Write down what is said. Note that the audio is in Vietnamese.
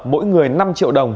mỗi người năm triệu đồng